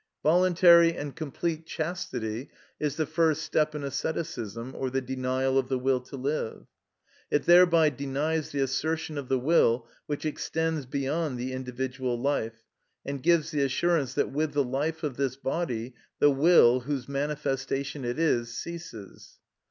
Voluntary and complete chastity is the first step in asceticism or the denial of the will to live. It thereby denies the assertion of the will which extends beyond the individual life, and gives the assurance that with the life of this body, the will, whose manifestation it is, ceases.